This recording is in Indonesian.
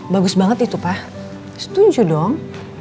bagus banget itu pak setuju dong